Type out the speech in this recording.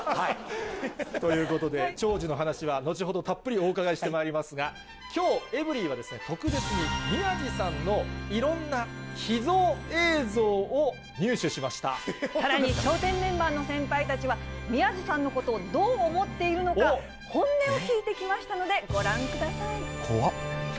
ということで、長寿の話は後ほどたっぷりお伺いしてまいりますが、きょうエブリィは、特別に、宮治さんのいろんな秘蔵映像を入さらに、笑点メンバーの先輩たちは、宮治さんのことをどう思っているのか、本音を聞いてきましたので、ご覧ください。